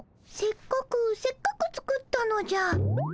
せっかくせっかく作ったのじゃ。